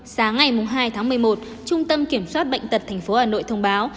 sáng ngày hai tháng một mươi một trung tâm kiểm soát bệnh tật tp hà nội thông báo